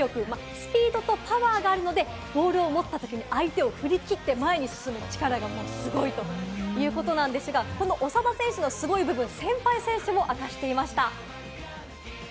スピードとパワーがあるので、ボールを持ったときに相手を振り切って前に進む力がすごいということなんですが、この長田選手のすごい部分、先輩選手も明かしていました。